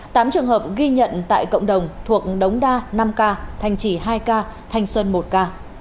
tám trường hợp ghi nhận tại cộng đồng thuộc đống đa năm ca thanh trì hai ca thanh xuân một ca